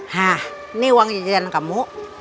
hah ini uang jajanan kamu